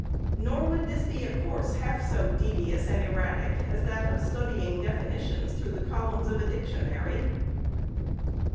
Nor would this be a course half so devious and erratic, as that of studying definitions through the columns of a dictionary.